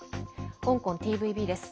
香港ＴＶＢです。